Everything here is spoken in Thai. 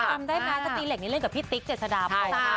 จำได้ไหมสตีเหล็กนี้เล่นกับพี่ติ๊กเจษฎาพร